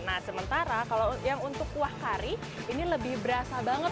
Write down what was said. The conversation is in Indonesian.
nah sementara kalau yang untuk kuah kari ini lebih berasa banget